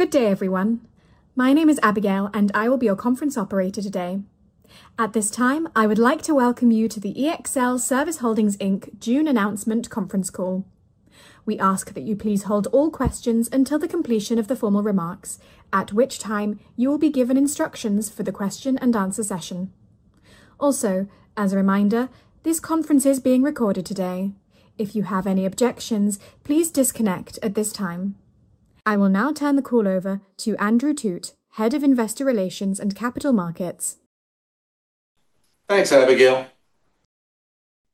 Good day, everyone. My name is Abigail, and I will be your conference operator today. At this time, I would like to welcome you to the ExlService Holdings, Inc. June announcement conference call. We ask that you please hold all questions until the completion of the formal remarks, at which time you will be given instructions for the question and answer session. Also, as a reminder, this conference is being recorded today. If you have any objections, please disconnect at this time. I will now turn the call over to Andrew Thut, Head of Investor Relations and Capital Markets. Thanks, Abigail.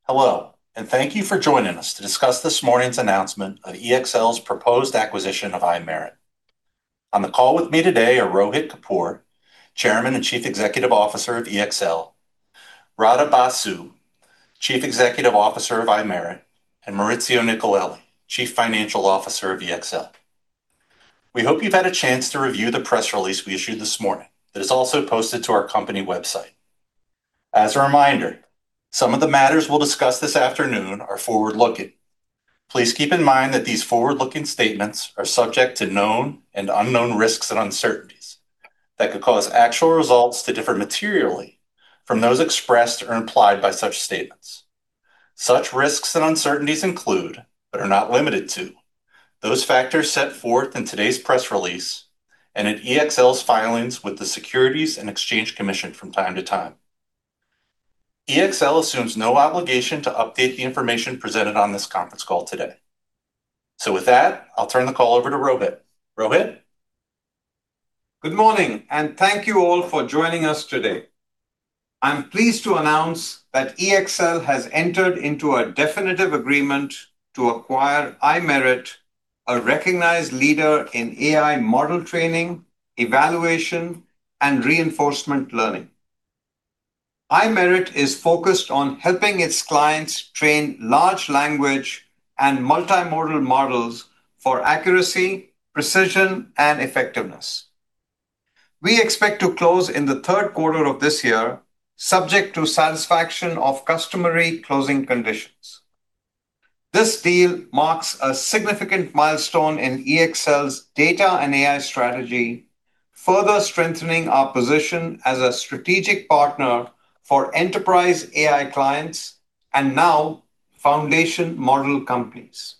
Hello, and thank you for joining us to discuss this morning's announcement of EXL's proposed acquisition of iMerit. On the call with me today are Rohit Kapoor, Chairman and Chief Executive Officer of EXL, Radha Basu, Chief Executive Officer of iMerit, and Maurizio Nicolelli, Chief Financial Officer of EXL. We hope you've had a chance to review the press release we issued this morning that is also posted to our company website. As a reminder, some of the matters we'll discuss this afternoon are forward-looking. Please keep in mind that these forward-looking statements are subject to known and unknown risks and uncertainties that could cause actual results to differ materially from those expressed or implied by such statements. Such risks and uncertainties include, but are not limited to, those factors set forth in today's press release and in EXL's filings with the Securities and Exchange Commission from time to time. EXL assumes no obligation to update the information presented on this conference call today. With that, I'll turn the call over to Rohit. Rohit? Good morning, and thank you all for joining us today. I'm pleased to announce that EXL has entered into a definitive agreement to acquire iMerit, a recognized leader in AI model training, evaluation, and reinforcement learning. iMerit is focused on helping its clients train large language and multimodal models for accuracy, precision, and effectiveness. We expect to close in the third quarter of this year, subject to satisfaction of customary closing conditions. This deal marks a significant milestone in EXL's data and AI strategy, further strengthening our position as a strategic partner for enterprise AI clients and now foundation model companies.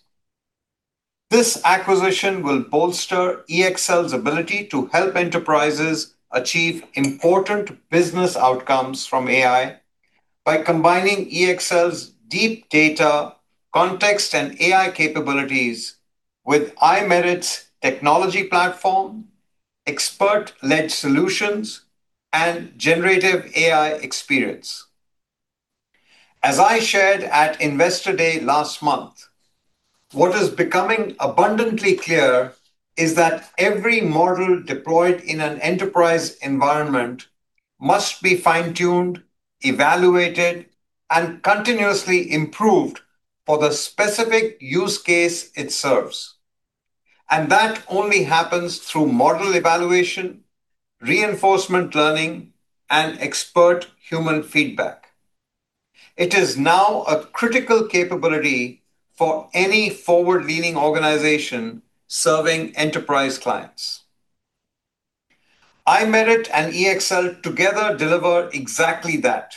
This acquisition will bolster EXL's ability to help enterprises achieve important business outcomes from AI by combining EXL's deep data, context, and AI capabilities with iMerit's technology platform, expert-led solutions, and generative AI experience. As I shared at Investor Day last month, what is becoming abundantly clear is that every model deployed in an enterprise environment must be fine-tuned, evaluated, and continuously improved for the specific use case it serves, and that only happens through model evaluation, reinforcement learning, and expert human feedback. It is now a critical capability for any forward-leaning organization serving enterprise clients. iMerit and EXL together deliver exactly that,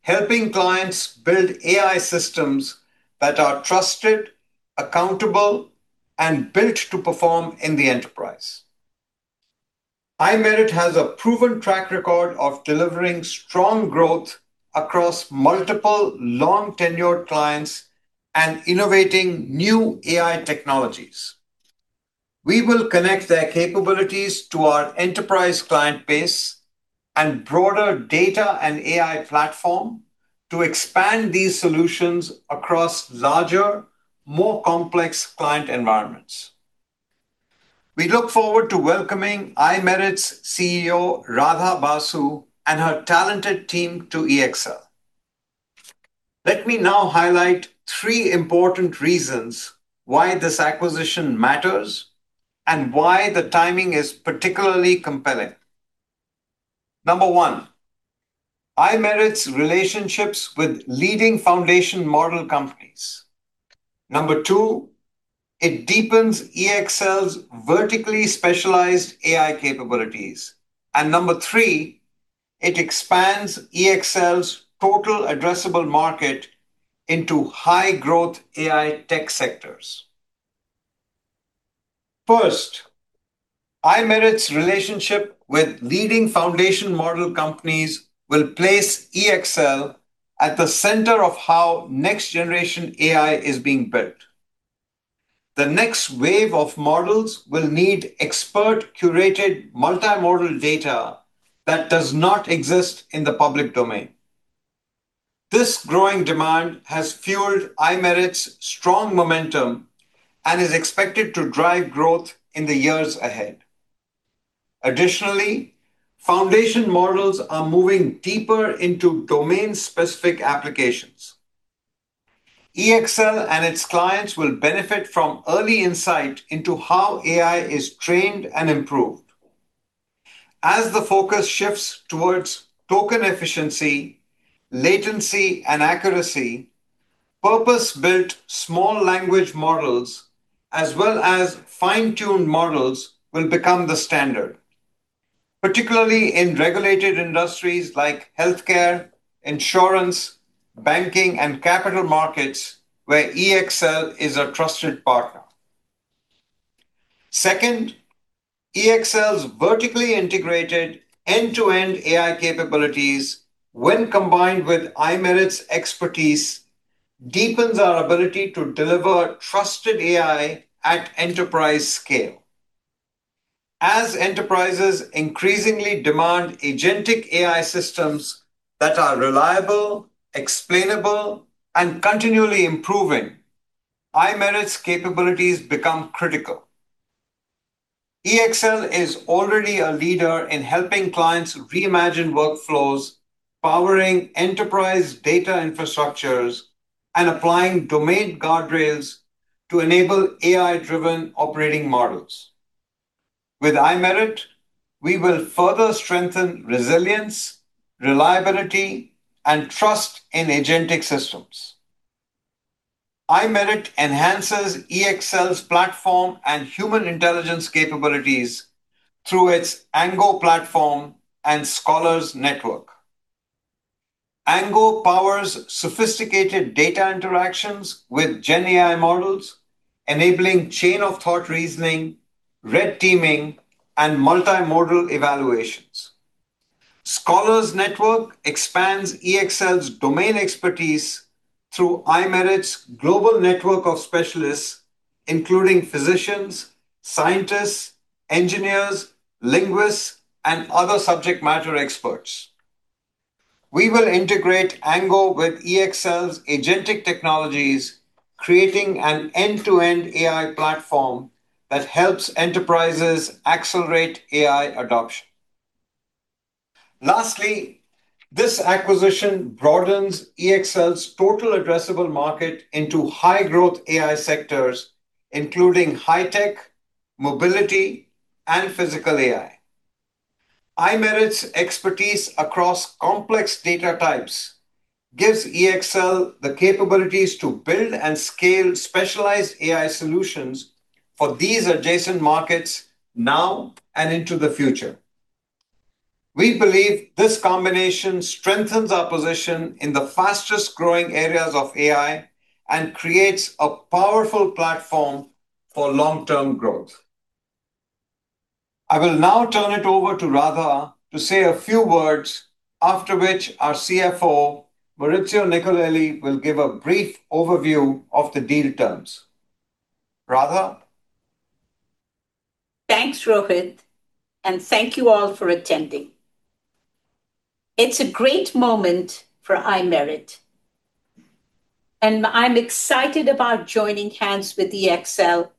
helping clients build AI systems that are trusted, accountable, and built to perform in the enterprise. iMerit has a proven track record of delivering strong growth across multiple long-tenured clients and innovating new AI technologies. We will connect their capabilities to our enterprise client base and broader data and AI platform to expand these solutions across larger, more complex client environments. We look forward to welcoming iMerit's CEO, Radha Basu, and her talented team to EXL. Let me now highlight three important reasons why this acquisition matters and why the timing is particularly compelling. Number one, iMerit's relationships with leading foundation model companies. Number two, it deepens EXL's vertically specialized AI capabilities. Number three, it expands EXL's total addressable market into high-growth AI tech sectors. First, iMerit's relationship with leading foundation model companies will place EXL at the center of how next-generation AI is being built. The next wave of models will need expert-curated multimodal data that does not exist in the public domain. This growing demand has fueled iMerit's strong momentum and is expected to drive growth in the years ahead. Additionally, foundation models are moving deeper into domain-specific applications. EXL and its clients will benefit from early insight into how AI is trained and improved. As the focus shifts towards token efficiency, latency, and accuracy, purpose-built small language models, as well as fine-tuned models will become the standard, particularly in regulated industries like healthcare, insurance, banking, and capital markets, where EXL is a trusted partner. Second, EXL's vertically integrated end-to-end AI capabilities, when combined with iMerit's expertise, deepens our ability to deliver trusted AI at enterprise scale. As enterprises increasingly demand agentic AI systems that are reliable, explainable, and continually improving, iMerit's capabilities become critical. EXL is already a leader in helping clients reimagine workflows, powering enterprise data infrastructures, and applying domain guardrails to enable AI-driven operating models. With iMerit, we will further strengthen resilience, reliability, and trust in agentic systems. iMerit enhances EXL's platform and human intelligence capabilities through its Ango platform and Scholars network. Ango powers sophisticated data interactions with GenAI models, enabling chain-of-thought reasoning, red teaming, and multimodal evaluations. Scholars network expands EXL's domain expertise through iMerit's global network of specialists, including physicians, scientists, engineers, linguists, and other subject matter experts. We will integrate Ango with EXL's agentic technologies, creating an end-to-end AI platform that helps enterprises accelerate AI adoption. Lastly, this acquisition broadens EXL's total addressable market into high-growth AI sectors, including high tech, mobility, and physical AI. iMerit's expertise across complex data types gives EXL the capabilities to build and scale specialized AI solutions for these adjacent markets now and into the future. We believe this combination strengthens our position in the fastest-growing areas of AI and creates a powerful platform for long-term growth. I will now turn it over to Radha to say a few words, after which our CFO, Maurizio Nicolelli, will give a brief overview of the deal terms. Radha? Thanks, Rohit, and thank you all for attending. It's a great moment for iMerit, and I'm excited about joining hands with EXL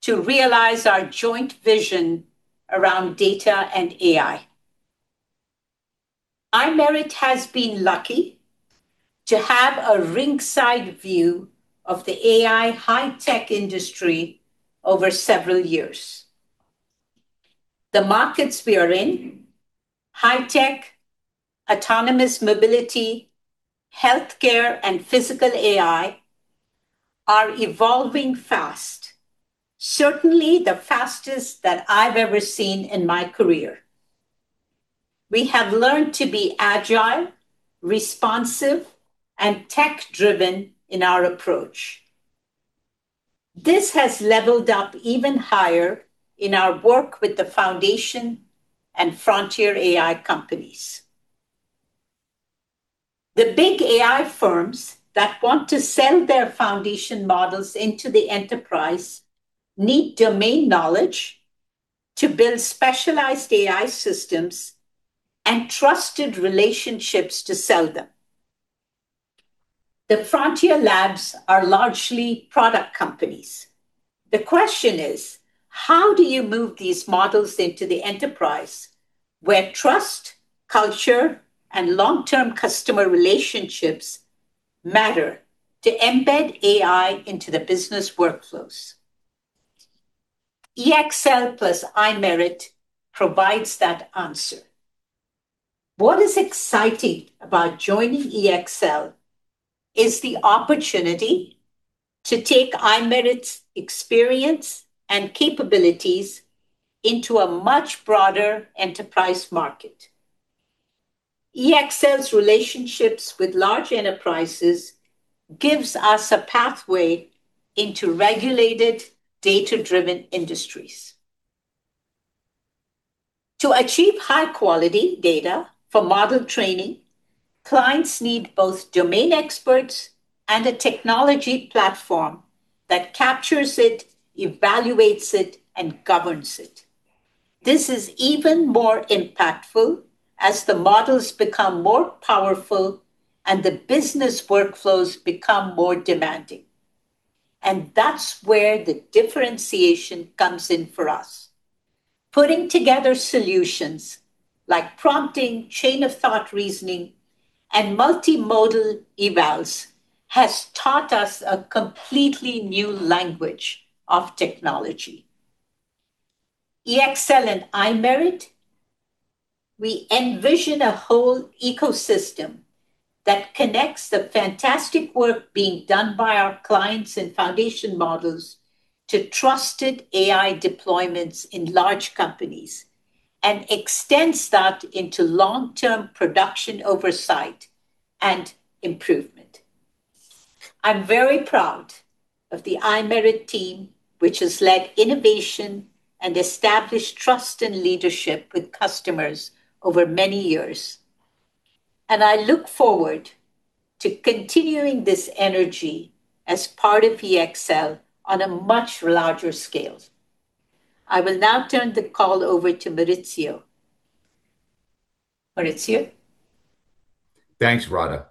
to realize our joint vision around data and AI. iMerit has been lucky to have a ringside view of the AI high-tech industry over several years. The markets we are in, high tech, autonomous mobility, healthcare, and physical AI, are evolving fast. Certainly, the fastest that I've ever seen in my career. We have learned to be agile, responsive, and tech-driven in our approach. This has leveled up even higher in our work with the foundation and frontier AI companies. The big AI firms that want to sell their foundation models into the enterprise need domain knowledge to build specialized AI systems and trusted relationships to sell them. The frontier labs are largely product companies. The question is: how do you move these models into the enterprise where trust, culture, and long-term customer relationships matter to embed AI into the business workflows? EXL plus iMerit provides that answer. What is exciting about joining EXL is the opportunity to take iMerit's experience and capabilities into a much broader enterprise market. EXL's relationships with large enterprises gives us a pathway into regulated, data-driven industries. To achieve high-quality data for model training, clients need both domain experts and a technology platform that captures it, evaluates it, and governs it. This is even more impactful as the models become more powerful and the business workflows become more demanding. That's where the differentiation comes in for us. Putting together solutions like prompting, chain-of-thought reasoning. Multimodal evals has taught us a completely new language of technology. EXL and iMerit, we envision a whole ecosystem that connects the fantastic work being done by our clients and foundation models to trusted AI deployments in large companies, and extends that into long-term production oversight and improvement. I'm very proud of the iMerit team, which has led innovation and established trust and leadership with customers over many years, and I look forward to continuing this energy as part of EXL on a much larger scale. I will now turn the call over to Maurizio. Maurizio? Thanks, Radha.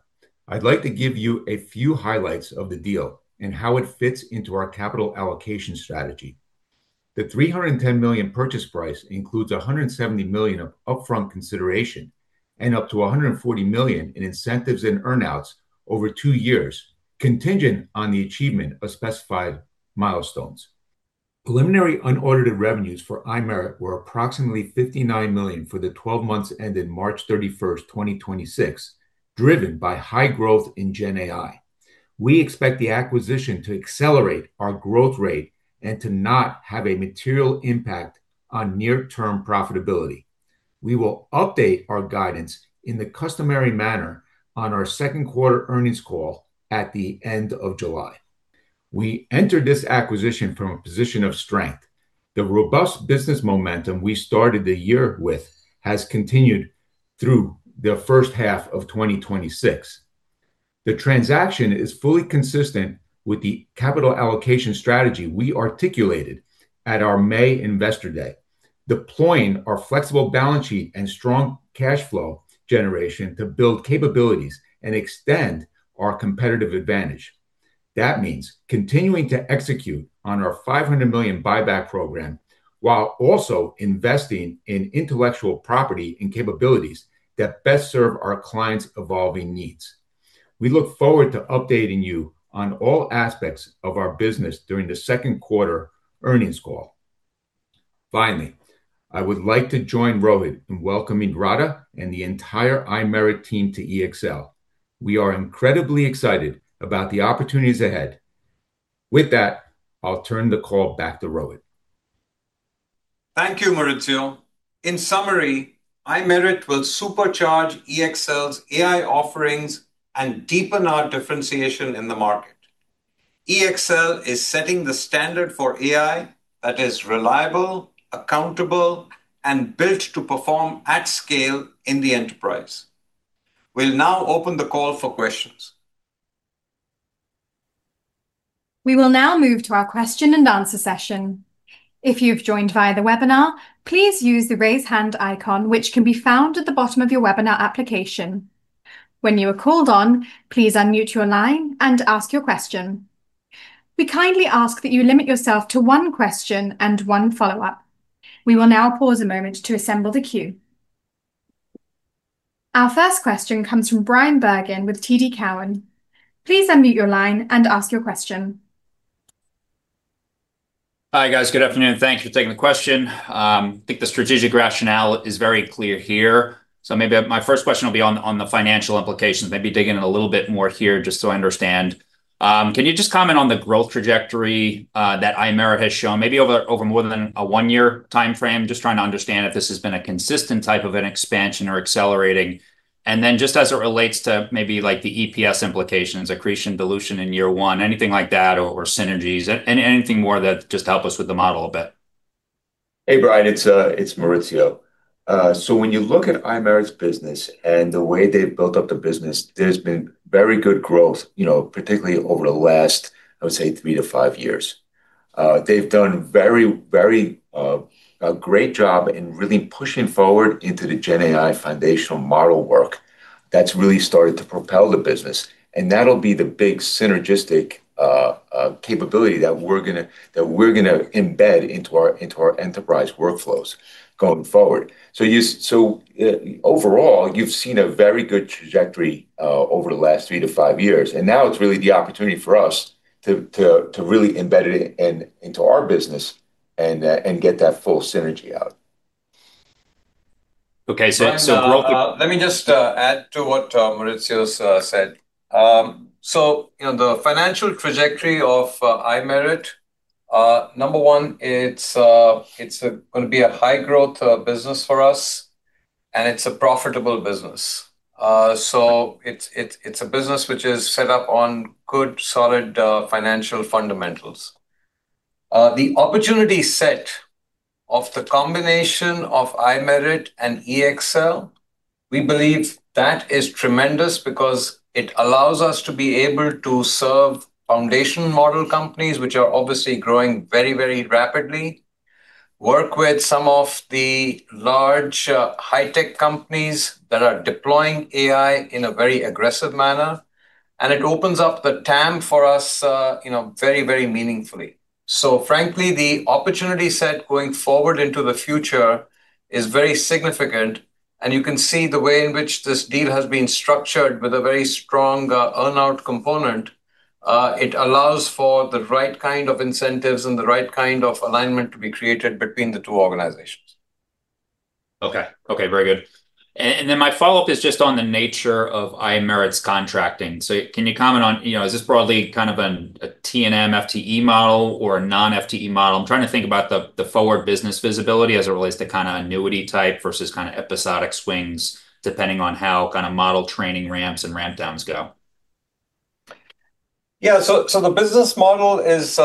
I'd like to give you a few highlights of the deal and how it fits into our capital allocation strategy. The $310 million purchase price includes $170 million of upfront consideration and up to $140 million in incentives and earn-outs over two years, contingent on the achievement of specified milestones. Preliminary unaudited revenues for iMerit were approximately $59 million for the 12 months ended March 31st, 2026, driven by high growth in GenAI. We expect the acquisition to accelerate our growth rate and to not have a material impact on near-term profitability. We will update our guidance in the customary manner on our second quarter earnings call at the end of July. We enter this acquisition from a position of strength. The robust business momentum we started the year with has continued through the first half of 2026. The transaction is fully consistent with the capital allocation strategy we articulated at our May Investor Day, deploying our flexible balance sheet and strong cash flow generation to build capabilities and extend our competitive advantage. That means continuing to execute on our $500 million buyback program while also investing in intellectual property and capabilities that best serve our clients' evolving needs. We look forward to updating you on all aspects of our business during the second quarter earnings call. Finally, I would like to join Rohit in welcoming Radha and the entire iMerit team to EXL. We are incredibly excited about the opportunities ahead. With that, I'll turn the call back to Rohit. Thank you, Maurizio. In summary, iMerit will supercharge EXL's AI offerings and deepen our differentiation in the market. EXL is setting the standard for AI that is reliable, accountable, and built to perform at scale in the enterprise. We'll now open the call for questions. We will now move to our question and answer session. If you've joined via the webinar, please use the raise hand icon, which can be found at the bottom of your webinar application. When you are called on, please unmute your line and ask your question. We kindly ask that you limit yourself to one question and one follow-up. We will now pause a moment to assemble the queue. Our first question comes from Bryan Bergin with TD Cowen. Please unmute your line and ask your question. Hi, guys. Good afternoon. Thank you for taking the question. I think the strategic rationale is very clear here. Maybe my first question will be on the financial implications, maybe digging in a little bit more here just so I understand. Can you just comment on the growth trajectory that iMerit has shown, maybe over more than a one-year timeframe? Just trying to understand if this has been a consistent type of an expansion or accelerating. Just as it relates to maybe the EPS implications, accretion, dilution in year one, anything like that, or synergies, anything more that just help us with the model a bit. Hey, Bryan, it's Maurizio. When you look at iMerit's business and the way they've built up the business, there's been very good growth, particularly over the last, I would say, three to five years. They've done a very great job in really pushing forward into the GenAI foundational model work that's really started to propel the business, and that'll be the big synergistic capability that we're going to embed into our enterprise workflows going forward. Overall, you've seen a very good trajectory over the last three to five years, and now it's really the opportunity for us to really embed it into our business and get that full synergy out. Okay. Bryan, let me just add to what Maurizio said. The financial trajectory of iMerit, number one, it's going to be a high growth business for us, and it's a profitable business. It's a business which is set up on good, solid financial fundamentals. The opportunity set of the combination of iMerit and EXL, we believe that is tremendous because it allows us to be able to serve foundation model companies, which are obviously growing very, very rapidly, work with some of the large high tech companies that are deploying AI in a very aggressive manner, and it opens up the TAM for us very, very meaningfully. Frankly, the opportunity set going forward into the future is very significant, and you can see the way in which this deal has been structured with a very strong earn-out component. It allows for the right kind of incentives and the right kind of alignment to be created between the two organizations. Okay. Very good. My follow-up is just on the nature of iMerit's contracting. Can you comment on, is this broadly kind of a T&M FTE model or a non-FTE model? I'm trying to think about the forward business visibility as it relates to kind of annuity type versus kind of episodic swings, depending on how kind of model training ramps and ramp downs go. Yeah. The business model is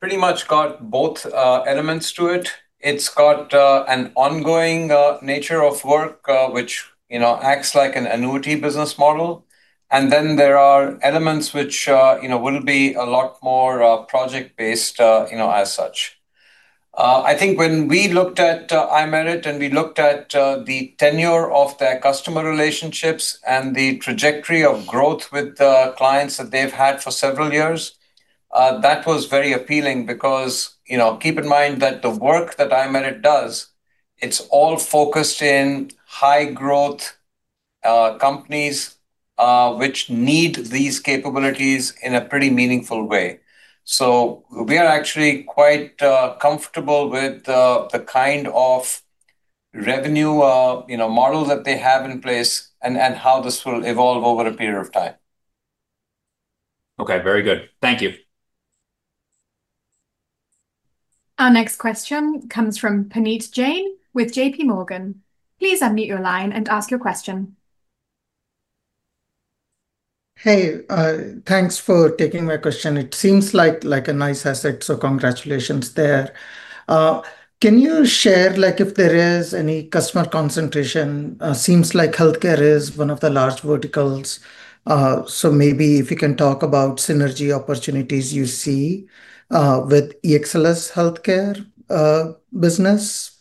pretty much got both elements to it. It's got an ongoing nature of work, which acts like an annuity business model. There are elements which will be a lot more project-based as such. I think when we looked at iMerit, and we looked at the tenure of their customer relationships and the trajectory of growth with the clients that they've had for several years, that was very appealing because, keep in mind that the work that iMerit does, it's all focused in high growth companies, which need these capabilities in a pretty meaningful way. We are actually quite comfortable with the kind of revenue model that they have in place and how this will evolve over a period of time. Okay. Very good. Thank you. Our next question comes from Puneet Jain with JPMorgan. Please unmute your line and ask your question. Hey, thanks for taking my question. It seems like a nice asset, so congratulations there. Can you share if there is any customer concentration? Seems like healthcare is one of the large verticals. Maybe if you can talk about synergy opportunities you see with EXL's healthcare business.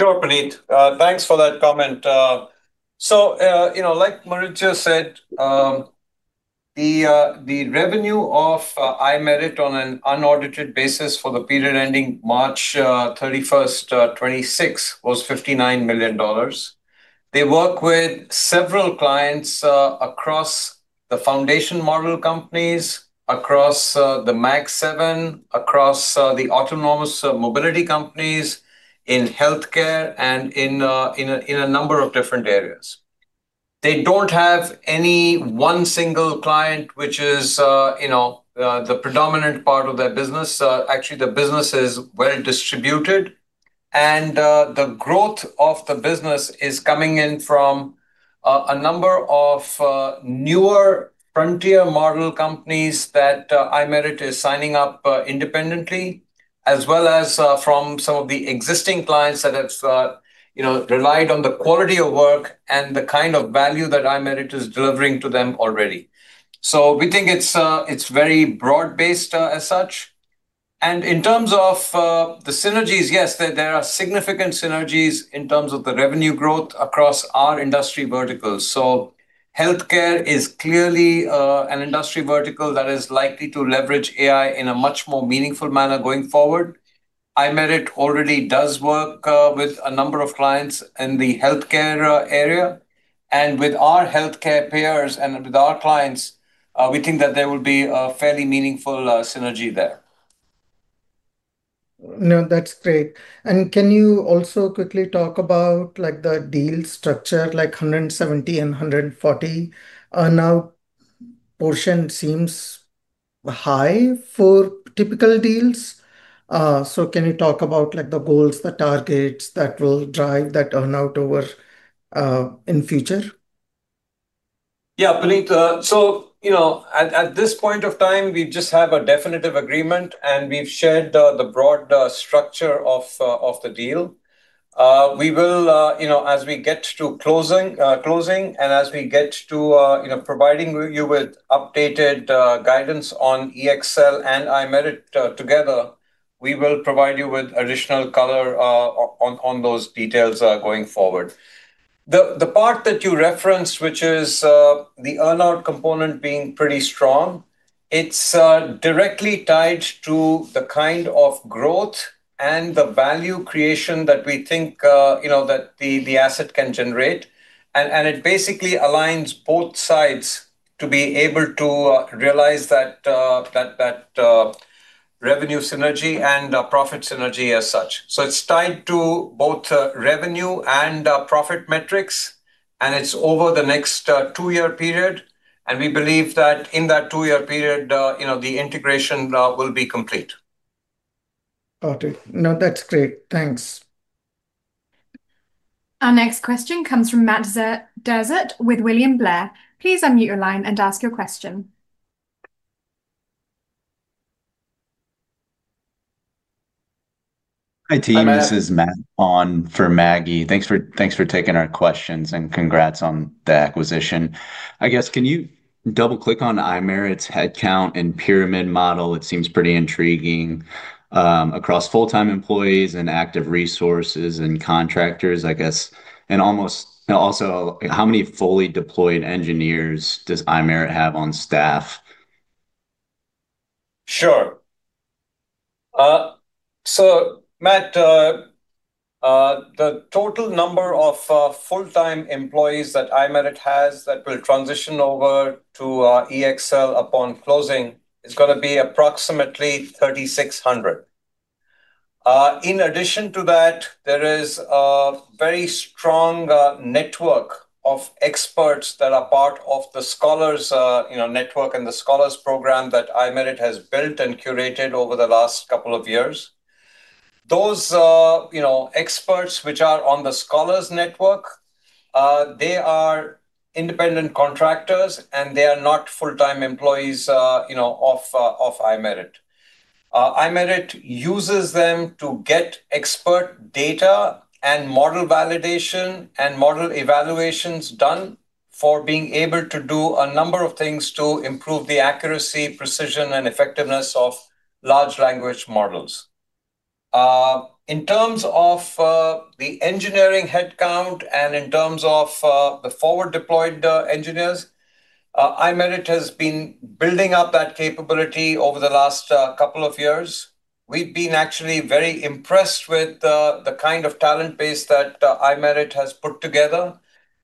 Sure, Puneet. Thanks for that comment. Like Maurizio said, the revenue of iMerit on an unaudited basis for the period ending March 31st, 2026, was $59 million. They work with several clients across the foundation model companies, across the Magnificent Seven, across the autonomous mobility companies, in healthcare, and in a number of different areas. They don't have any one single client, which is the predominant part of their business. Actually, the business is well distributed, and the growth of the business is coming in from a number of newer frontier model companies that iMerit is signing up independently, as well as from some of the existing clients that have relied on the quality of work and the kind of value that iMerit is delivering to them already. We think it's very broad-based as such. In terms of the synergies, yes, there are significant synergies in terms of the revenue growth across our industry verticals. Healthcare is clearly an industry vertical that is likely to leverage AI in a much more meaningful manner going forward. iMerit already does work with a number of clients in the healthcare area, and with our healthcare payers and with our clients, we think that there will be a fairly meaningful synergy there. No, that's great. Can you also quickly talk about the deal structure, like $170 and $140? Now portion seems high for typical deals. Can you talk about the goals, the targets that will drive that earn-out over in future? Yeah, Puneet. At this point of time, we just have a definitive agreement, and we've shared the broad structure of the deal. As we get to closing and as we get to providing you with updated guidance on EXL and iMerit together, we will provide you with additional color on those details going forward. The part that you referenced, which is the earn-out component being pretty strong, it's directly tied to the kind of growth and the value creation that we think that the asset can generate. It basically aligns both sides to be able to realize that revenue synergy and profit synergy as such. It's tied to both revenue and profit metrics, and it's over the next two-year period, and we believe that in that two-year period, the integration will be complete. Got it. No, that's great. Thanks. Our next question comes from Matt Dezort with William Blair. Please unmute your line and ask your question. Hi, team. This is Matt on for Maggie. Thanks for taking our questions and congrats on the acquisition. I guess can you double-click on iMerit's headcount and pyramid model? It seems pretty intriguing. Across full-time employees and active resources and contractors, I guess, and also how many fully deployed engineers does iMerit have on staff? Sure. Matt, the total number of full-time employees that iMerit has that will transition over to EXL upon closing is going to be approximately 3,600. In addition to that, there is a very strong network of experts that are part of the Scholars network and the Scholars program that iMerit has built and curated over the last couple of years. Those experts which are on the Scholars network, they are independent contractors, and they are not full-time employees of iMerit. iMerit uses them to get expert data and model validation and model evaluations done for being able to do a number of things to improve the accuracy, precision and effectiveness of large language models. In terms of the engineering headcount and in terms of the forward deployed engineers, iMerit has been building up that capability over the last couple of years. We've been actually very impressed with the kind of talent base that iMerit has put together,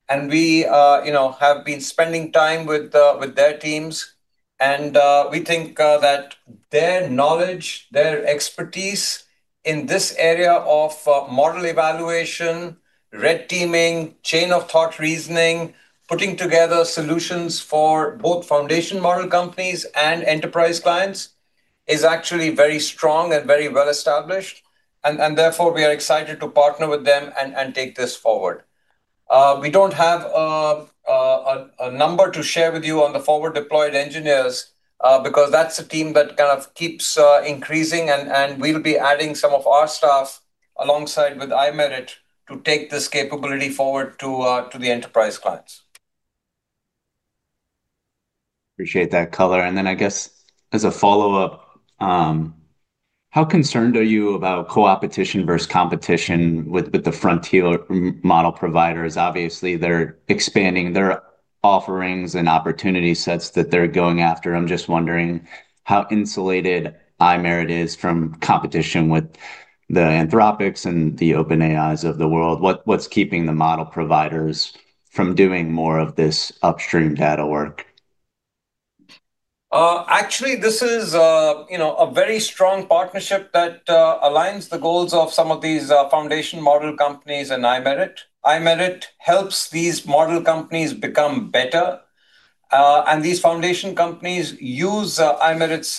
and we have been spending time with their teams. We think that their knowledge, their expertise in this area of model evaluation, red teaming, chain-of-thought reasoning, putting together solutions for both foundation model companies and enterprise clients, is actually very strong and very well established. Therefore, we are excited to partner with them and take this forward. We don't have a number to share with you on the forward deployed engineers, because that's a team that kind of keeps increasing. We'll be adding some of our staff alongside with iMerit to take this capability forward to the enterprise clients. Appreciate that color. I guess as a follow-up, how concerned are you about co-opetition versus competition with the frontier model providers? Obviously, they're expanding their offerings and opportunity sets that they're going after. I'm just wondering how insulated iMerit is from competition with the Anthropic and the OpenAI of the world. What's keeping the model providers from doing more of this upstream data work? Actually, this is a very strong partnership that aligns the goals of some of these foundation model companies and iMerit. iMerit helps these model companies become better. These foundation companies use iMerit's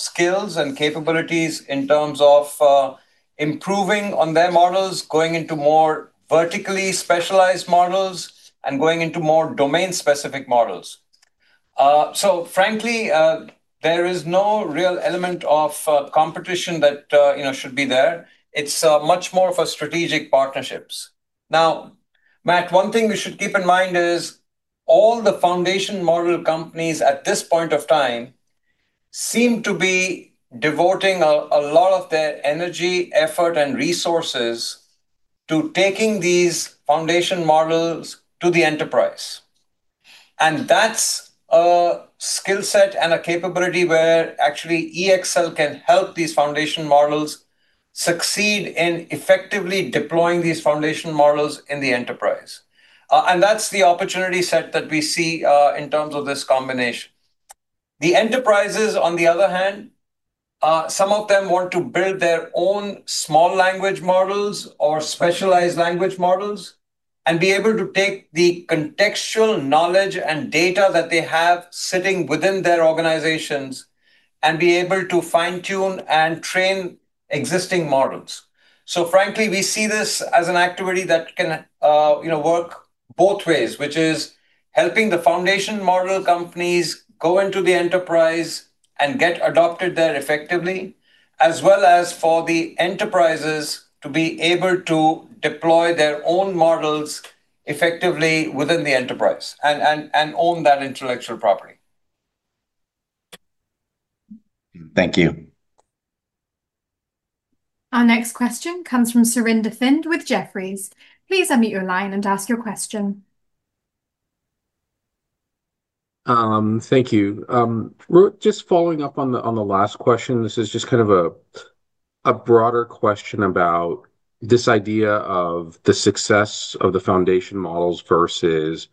skills and capabilities in terms of improving on their models, going into more vertically specialized models and going into more domain-specific models. Frankly, there is no real element of competition that should be there. It's much more of a strategic partnerships. Now, Matt, one thing we should keep in mind is all the foundation model companies at this point of time seem to be devoting a lot of their energy, effort, and resources to taking these foundation models to the enterprise. That's a skill set and a capability where actually EXL can help these foundation models succeed in effectively deploying these foundation models in the enterprise. That's the opportunity set that we see in terms of this combination. The enterprises, on the other hand, some of them want to build their own small language models or specialized language models and be able to take the contextual knowledge and data that they have sitting within their organizations and be able to fine-tune and train existing models. Frankly, we see this as an activity that can work both ways, which is helping the foundation model companies go into the enterprise and get adopted there effectively, as well as for the enterprises to be able to deploy their own models effectively within the enterprise and own that intellectual property. Thank you. Our next question comes from Surinder Thind with Jefferies. Please unmute your line and ask your question. Thank you. Rohit, just following up on the last question, this is just kind of a broader question about this idea of the success of the foundation models versus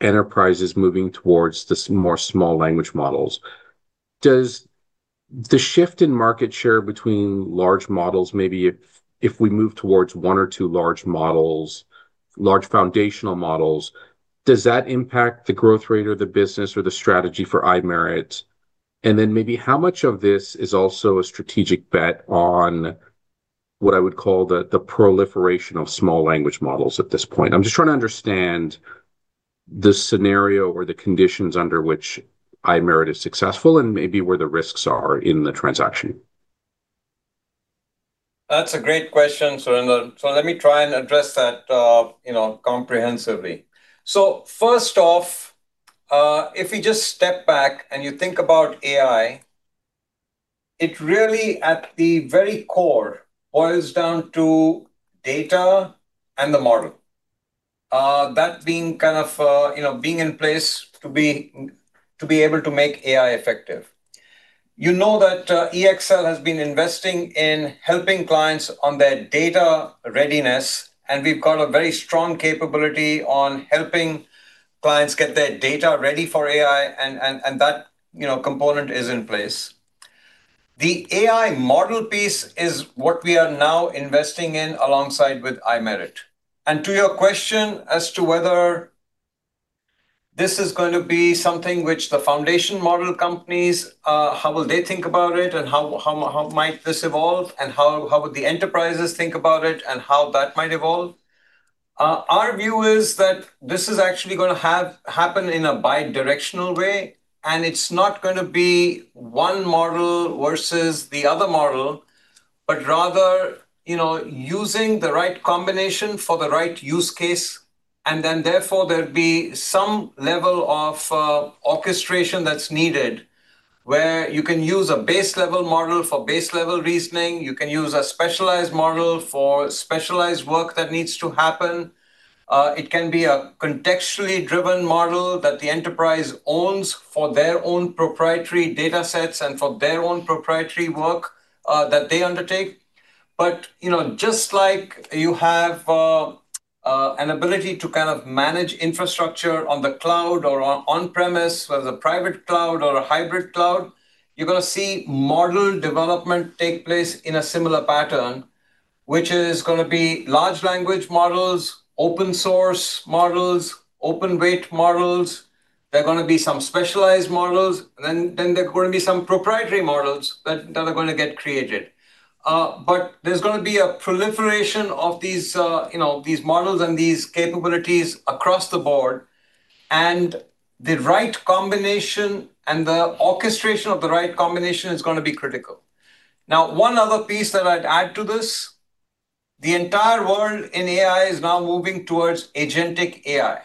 enterprises moving towards the more small language models. Does the shift in market share between large models, maybe if we move towards one or two large models, large foundational models, does that impact the growth rate of the business or the strategy for iMerit? Then maybe how much of this is also a strategic bet on what I would call the proliferation of small language models at this point? I'm just trying to understand the scenario or the conditions under which iMerit is successful and maybe where the risks are in the transaction. That's a great question, Surinder. Let me try and address that comprehensively. First off, if you just step back and you think about AI, it really at the very core boils down to data and the model that being in place to be able to make AI effective. You know that EXL has been investing in helping clients on their data readiness, and we've got a very strong capability on helping clients get their data ready for AI, and that component is in place. The AI model piece is what we are now investing in alongside with iMerit. To your question as to whether this is going to be something which the foundation model companies, how will they think about it and how might this evolve? How would the enterprises think about it and how that might evolve? Our view is that this is actually going to happen in a bidirectional way, it's not going to be one model versus the other model, rather using the right combination for the right use case, therefore there'd be some level of orchestration that's needed, where you can use a base level model for base level reasoning. You can use a specialized model for specialized work that needs to happen. It can be a contextually driven model that the enterprise owns for their own proprietary data sets and for their own proprietary work that they undertake. Just like you have an ability to manage infrastructure on the cloud or on-premise, whether it's a private cloud or a hybrid cloud, you're going to see model development take place in a similar pattern, which is going to be large language models, open source models, open weight models. There are going to be some specialized models, and then there are going to be some proprietary models that are going to get created. There's going to be a proliferation of these models and these capabilities across the board, and the right combination and the orchestration of the right combination is going to be critical. One other piece that I'd add to this, the entire world in AI is now moving towards agentic AI.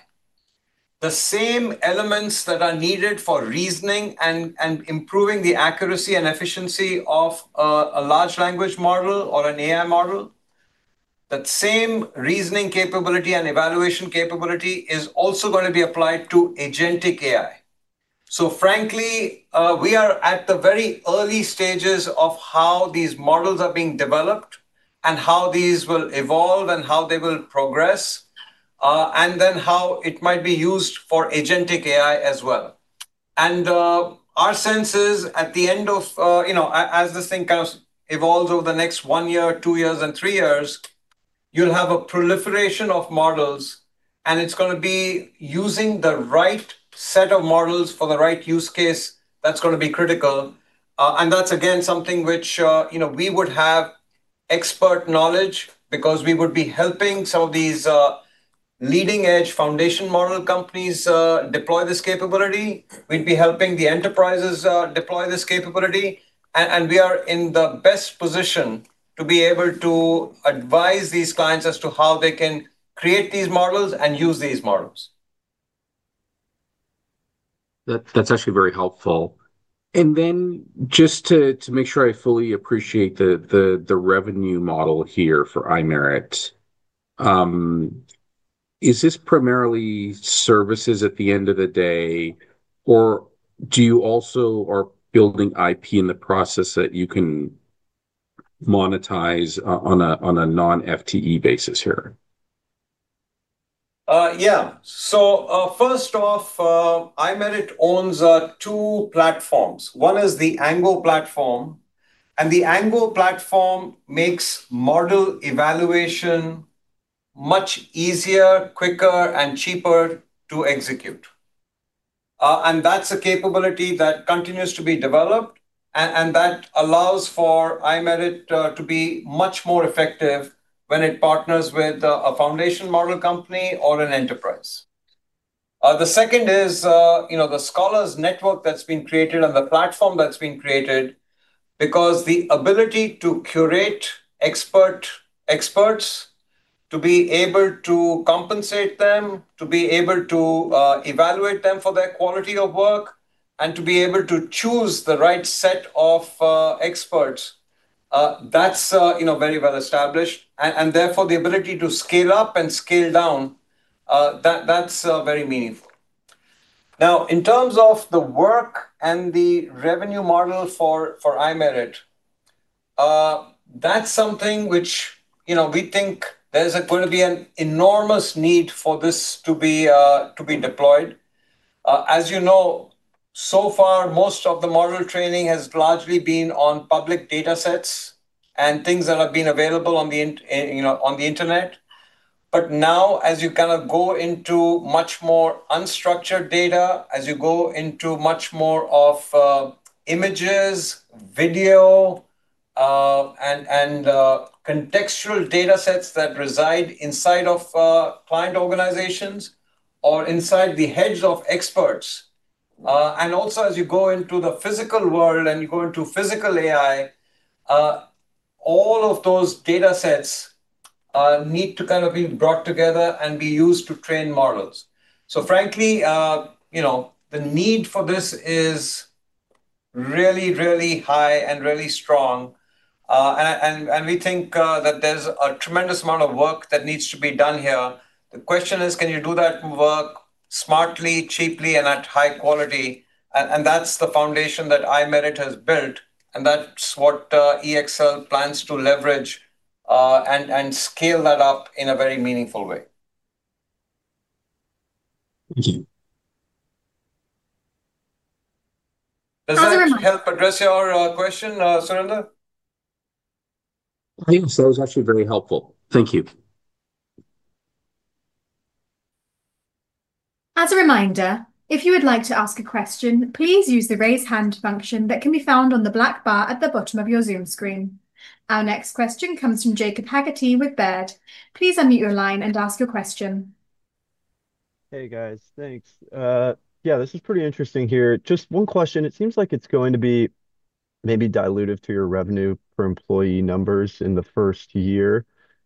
The same elements that are needed for reasoning and improving the accuracy and efficiency of a large language model or an AI model, that same reasoning capability and evaluation capability is also going to be applied to agentic AI. Frankly, we are at the very early stages of how these models are being developed and how these will evolve and how they will progress, and then how it might be used for agentic AI as well. Our sense is, as this thing kind of evolves over the next one year, two years, and three years, you'll have a proliferation of models, and it's going to be using the right set of models for the right use case that's going to be critical. That's again, something which we would have expert knowledge because we would be helping some of these leading-edge foundation model companies deploy this capability. We'd be helping the enterprises deploy this capability. We are in the best position to be able to advise these clients as to how they can create these models and use these models. That's actually very helpful. Then just to make sure I fully appreciate the revenue model here for iMerit, is this primarily services at the end of the day, or do you also are building IP in the process that you can monetize on a non-FTE basis here? Yeah. First off, iMerit owns two platforms. One is the Ango platform, and the Ango platform makes model evaluation much easier, quicker, and cheaper to execute. That's a capability that continues to be developed, and that allows for iMerit to be much more effective when it partners with a foundation model company or an enterprise. The second is the Scholars network that's been created and the platform that's been created because the ability to curate experts, to be able to compensate them, to be able to evaluate them for their quality of work, and to be able to choose the right set of experts, that's very well-established, and therefore, the ability to scale up and scale down, that's very meaningful. In terms of the work and the revenue model for iMerit, that's something which we think there's going to be an enormous need for this to be deployed. As you know, so far, most of the model training has largely been on public data sets and things that have been available on the internet. Now, as you go into much more unstructured data, as you go into much more of images, video, and contextual data sets that reside inside of client organizations or inside the heads of experts. Also, as you go into the physical world and you go into physical AI, all of those data sets need to be brought together and be used to train models. Frankly, the need for this is really, really high and really strong. We think that there's a tremendous amount of work that needs to be done here. The question is, can you do that work smartly, cheaply, and at high quality? That's the foundation that iMerit has built, and that's what EXL plans to leverage, and scale that up in a very meaningful way. Thank you. Does that help address your question, Surinder? Yes, that was actually very helpful. Thank you. As a reminder, if you would like to ask a question, please use the raise hand function that can be found on the black bar at the bottom of your Zoom screen. Our next question comes from Jacob Haggarty with Baird. Please unmute your line and ask your question. Hey, guys. Thanks. Yeah, this is pretty interesting here. Just one question. It seems like it's going to be maybe dilutive to your revenue for employee numbers in the first year.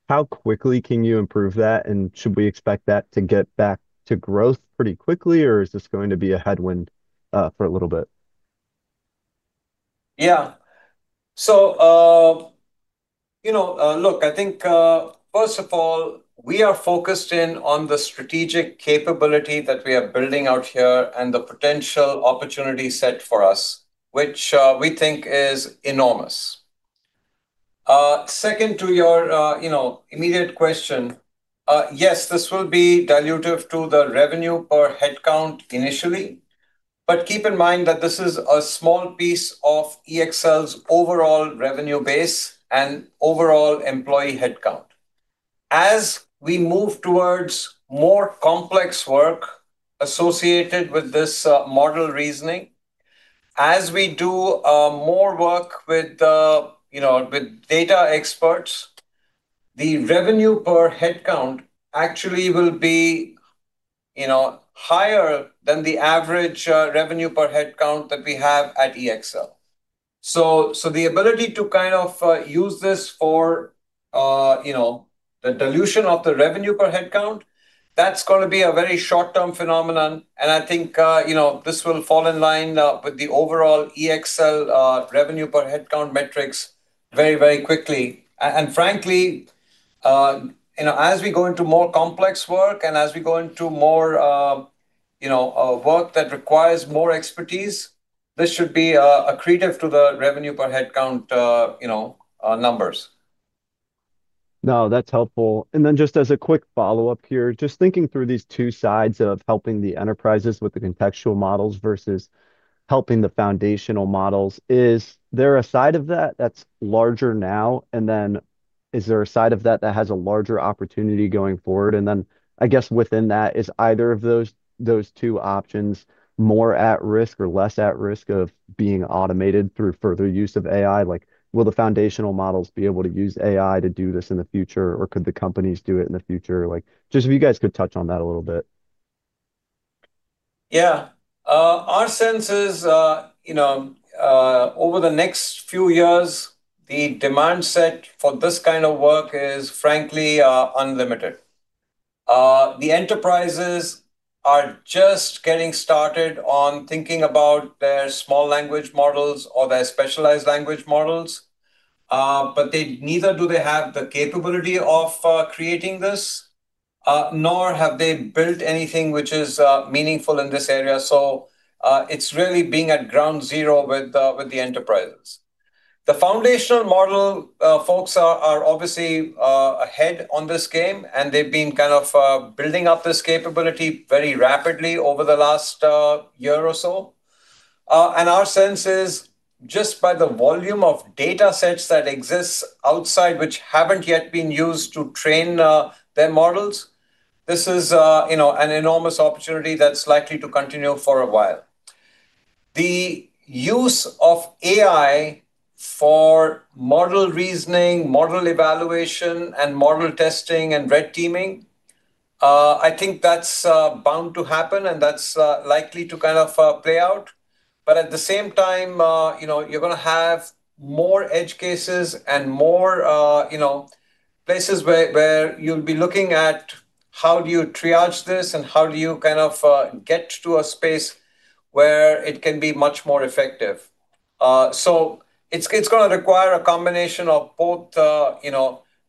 How quickly can you improve that? Should we expect that to get back to growth pretty quickly, or is this going to be a headwind for a little bit? Yeah. Look, I think, first of all, we are focused in on the strategic capability that we are building out here and the potential opportunity set for us, which we think is enormous. Second to your immediate question, yes, this will be dilutive to the revenue per head count initially, keep in mind that this is a small piece of EXL's overall revenue base and overall employee head count. As we move towards more complex work associated with this model reasoning, as we do more work with data experts, the revenue per head count actually will be higher than the average revenue per head count that we have at EXL. The ability to use this for the dilution of the revenue per head count, that's going to be a very short-term phenomenon, and I think this will fall in line with the overall EXL revenue per head count metrics very, very quickly. Frankly, as we go into more complex work and as we go into more work that requires more expertise, this should be accretive to the revenue per head count numbers. No, that's helpful. Just as a quick follow-up here, just thinking through these two sides of helping the enterprises with the contextual models versus helping the foundational models. Is there a side of that that's larger now? Is there a side of that that has a larger opportunity going forward? I guess within that, is either of those two options more at risk or less at risk of being automated through further use of AI? Will the foundational models be able to use AI to do this in the future, or could the companies do it in the future? Just if you guys could touch on that a little bit. Yeah. Our sense is, over the next few years, the demand set for this kind of work is frankly unlimited. The enterprises are just getting started on thinking about their small language models or their specialized language models, but neither do they have the capability of creating this, nor have they built anything which is meaningful in this area. It's really being at ground zero with the enterprises. The foundational model folks are obviously ahead on this game, and they've been building up this capability very rapidly over the last year or so. Our sense is just by the volume of data sets that exist outside, which haven't yet been used to train their models, this is an enormous opportunity that's likely to continue for a while. The use of AI for model reasoning, model evaluation, and model testing and red teaming, I think that's bound to happen, and that's likely to play out. At the same time, you're going to have more edge cases and more places where you'll be looking at how do you triage this and how do you get to a space where it can be much more effective. It's going to require a combination of both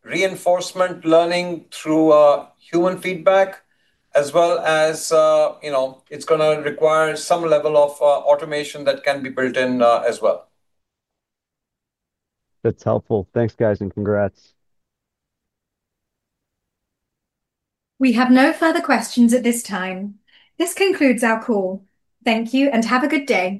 reinforcement learning through human feedback as well as it's going to require some level of automation that can be built in as well. That's helpful. Thanks, guys, and congrats. We have no further questions at this time. This concludes our call. Thank you, and have a good day.